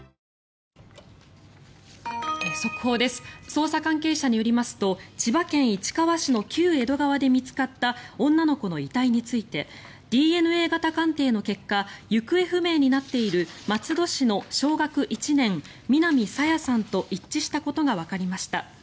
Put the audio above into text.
捜査関係者によりますと千葉県市川市の旧江戸川で見つかった女の子の遺体についてＤＮＡ型鑑定の結果行方不明になっている松戸市の小学１年、南朝芽さんと一致したことがわかりました。